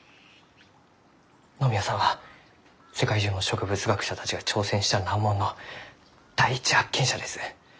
野宮さんは世界中の植物学者たちが挑戦した難問の第一発見者です。